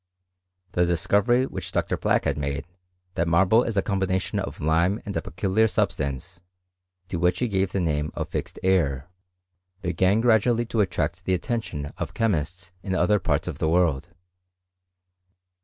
. The discovery which Dr. Black had made that marble is a combination of lime and a peculiar sub stance, to which he gave the name of ^xed air, began gradually to attract the attention of chemists in other parts of the world.